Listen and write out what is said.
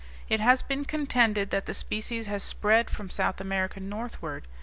It has been contended that the species has spread from South America northward.